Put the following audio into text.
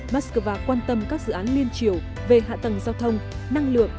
moscow quan tâm các dự án liên triều về hạ tầng giao thông năng lượng